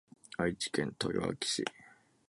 愛知県豊明市